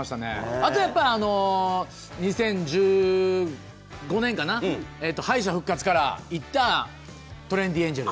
あと、２０１５年かな、敗者復活から行った、トレンディエンジェル。